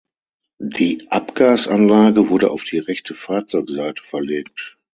Die Abgasanlage wurde auf die rechte Fahrzeugseite verlegt.